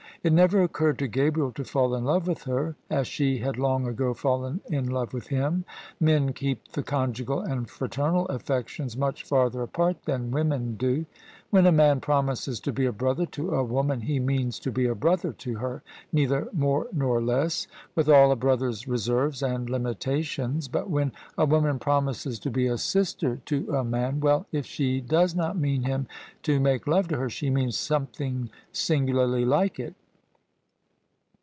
It never occurred to Gabriel to fall in love with her, as she had long ago fallen in love with him. Men keep the conjugal and fraternal affections much farther apart than women do. When a man promises to be a brother to a woman, he means to be a brother to her — ^neither more nor less — ^with all a brother's reserves and limitations: but when a woman promises to be a sister to a man — ^well, if she does not mean him to make love to her, she means something sin gularly like It.